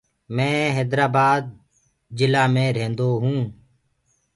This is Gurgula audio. مينٚ هيدرآبآد جلآ مي ريهدونٚ.